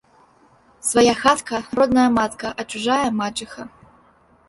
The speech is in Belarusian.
Свая хатка – родная матка, а чужая – мачыха